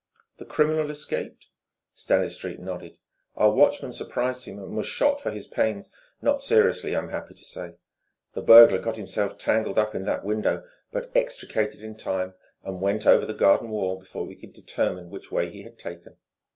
"The criminal escaped ?" Stanistreet nodded. "Our watchman surprised him, and was shot for his pains not seriously, I'm happy to say. The burglar got himself tangled up in that window, but extricated in time, and went over the garden wall before we could determine which way he had taken."